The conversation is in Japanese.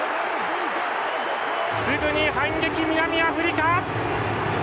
すぐに反撃、南アフリカ！